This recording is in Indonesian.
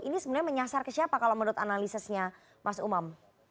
ini sebenarnya menyasar ke siapa kalau menurut analisisnya mas umam